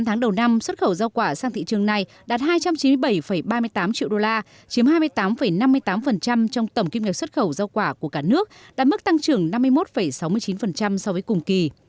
tám tháng đầu năm xuất khẩu rau quả sang thị trường này đạt hai trăm chín mươi bảy ba mươi tám triệu usd chiếm hai mươi tám năm mươi tám trong tổng kim ngạc xuất khẩu rau quả của cả nước đạt mức tăng trưởng năm mươi một sáu mươi chín so với cùng kỳ